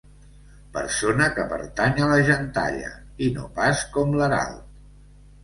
Persona que pertany a la gentalla, i no pas com l'herald.